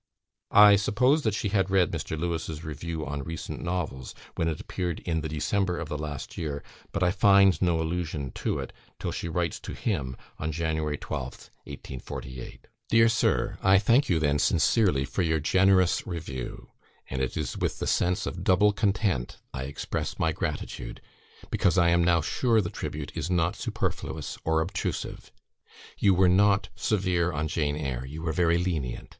I suppose that she had read Mr. Lewes' review on "Recent Novels," when it appeared in the December of the last year, but I find no allusion to it till she writes to him on January 12th, 1848. "Dear Sir, I thank you then sincerely for your generous review; and it is with the sense of double content I express my gratitude, because I am now sure the tribute is not superfluous or obtrusive. You were not severe on 'Jane Eyre;' you were very lenient.